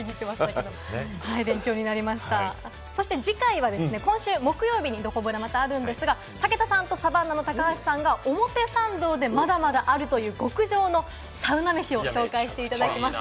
次回は今週木曜日に、どこブラまたあるんですが、武田さんとサバンナの高橋さんが、表参道でまだまだあるという極上のサウナ飯を紹介していただきます。